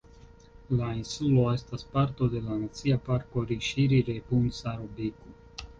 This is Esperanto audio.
La insulo estas parto de la Nacia Parko Riŝiri-Rebun-Sarobecu.